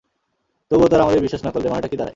তবুও তারা আমাদের বিশ্বাস না করলে, মানেটা কী দাঁড়ায়?